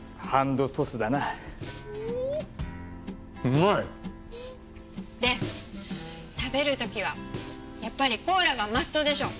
うまい！で食べるときはやっぱりコーラがマストでしょ！